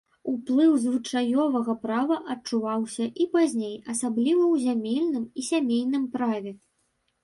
Уплыў звычаёвага права адчуваўся і пазней, асабліва ў зямельным і сямейным праве.